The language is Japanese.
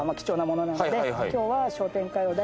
今日は。